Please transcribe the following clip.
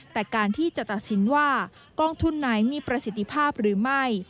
แต่การที่จะตัดสินว่ากองทุนไหนมีประสิทธิภาพหรือไม่